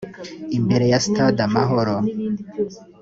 imbere ya Stade Amahoro